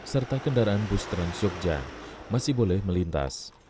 serta kendaraan bustran soekja masih boleh melintas